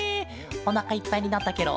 おなかいっぱいになったケロ？